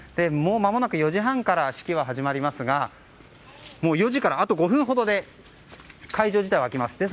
もう、まもなく４時半から式は始まりますがあと５分ほどで会場自体は開きます。